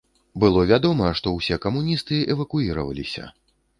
Было вядома, што ўсе камуністы эвакуіраваліся.